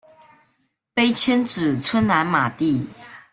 碑迁址村南马地。